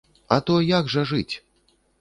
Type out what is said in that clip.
А то як жа жыць?